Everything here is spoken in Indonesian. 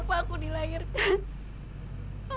buat apa aku dilahirkan